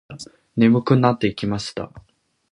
眠くなってきました。